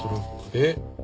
えっ？